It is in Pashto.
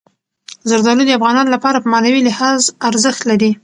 زردالو د افغانانو لپاره په معنوي لحاظ ارزښت لري.